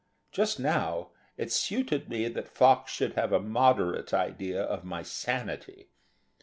Just now, it suited me that Fox should have a moderate idea of my sanity.